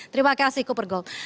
terima kasih cooper gold